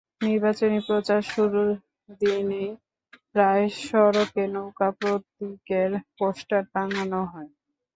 নির্বাচনী প্রচার শুরুর দিনেই প্রায় সব সড়কে নৌকা প্রতীকের পোস্টার টাঙানো হয়।